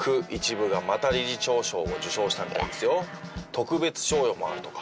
特別賞与もあるとか。